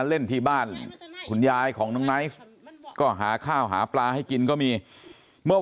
เล่นที่บ้านคุณยายของน้องไนท์ก็หาข้าวหาปลาให้กินก็มีเมื่อ